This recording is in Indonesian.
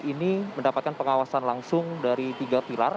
ini mendapatkan pengawasan langsung dari tiga pilar